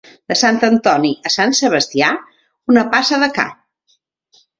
De Sant Antoni a Sant Sebastià, una passa de ca.